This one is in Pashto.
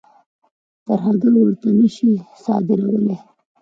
ترهګر ورته نه شي صادرولای.